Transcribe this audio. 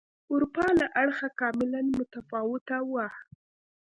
اروپا له اړخه کاملا متفاوته وه.